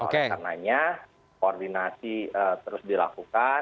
oleh karenanya koordinasi terus dilakukan